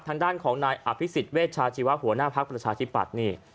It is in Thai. ทางด้านของนายอภิษฎเวชาชีวะหัวหน้าภักดิ์ประชาธิปัตย์นี่